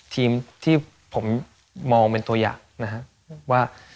ทีมที่ผมมองเป็นตัวอย่างนะครับว่า